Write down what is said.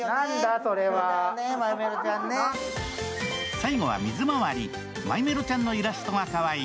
最後は水まわり、マイメロちゃんのイラストがかわいい